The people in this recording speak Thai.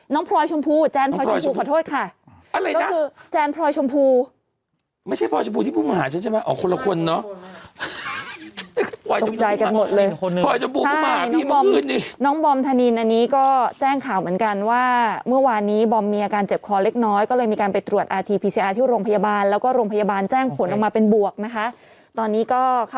น้องพลอยชมพูแจนพลอยชมพูขอโทษค่ะ